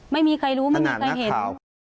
ไม่มีใครรู้ไม่มีใครเห็นถนัดนักข่าว